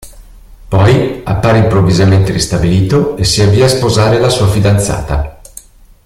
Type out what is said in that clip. Poi, appare improvvisamente ristabilito e si avvia a sposare la sua fidanzata.